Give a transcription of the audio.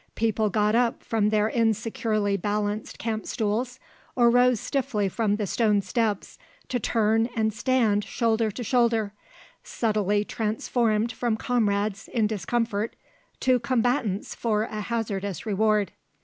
People got up from their insecurely balanced camp stools or rose stiffly from the stone steps to turn and stand shoulder to shoulder, subtly transformed from comrades in discomfort to combatants for a hazardous reward.